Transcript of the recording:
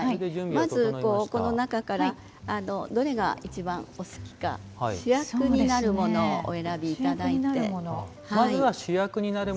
まずこの中からどれが一番好きか主役になるものをお選びいただいて。